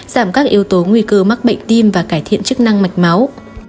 giảm các yếu tố nguy cơ mắc bệnh tim và cải thiện chức năng mạch máu